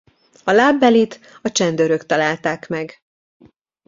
A lábbelit a csendőrök találták meg.